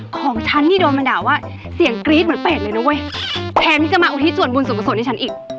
ของฉันนี่โดนมาด่าว่าเสียงกรี๊ดเหมือนเป็ดเลยนะเว้ยแทนที่จะมาอุทิศส่วนบุญส่วนกุศลให้ฉันอีก